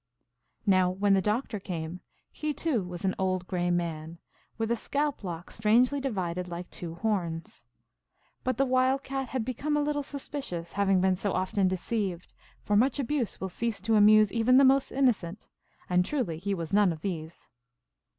Now, when the Doctor came, he, too, was an old gray man, with a scalp lock strangely divided like two horns. But the Wild Cat had become a little suspi 220 THE ALGONQUIN LEGENDS. cious, having been so often deceived, for much abuse will cease to amuse even the most innocent ; and truly he was none of these.